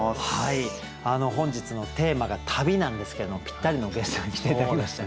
本日のテーマが「旅」なんですけどもぴったりのゲストに来て頂きました。